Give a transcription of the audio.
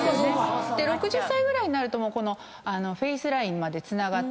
で６０歳ぐらいになるとフェースラインまでつながって。